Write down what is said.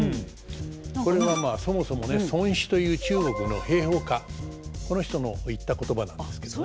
これはまあそもそもね孫子という中国の兵法家この人の言った言葉なんですけどね。